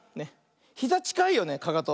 ひざちかいよねかかと。